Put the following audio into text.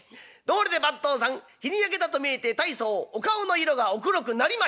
どうりで番頭さん日に焼けたと見えて大層お顔の色がお黒くなりましたね」。